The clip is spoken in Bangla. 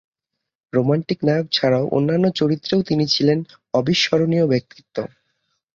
রোমান্টিক নায়ক ছাড়াও অন্যান্য চরিত্রেও তিনি ছিলেন অবিস্মরণীয় ব্যক্তিত্ব।